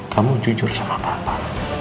kamu jujur sama papa